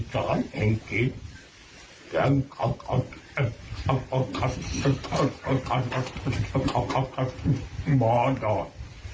ต้องเกิบมากัน